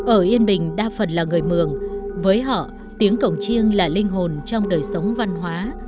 ở yên bình đa phần là người mường với họ tiếng cổng chiêng là linh hồn trong đời sống văn hóa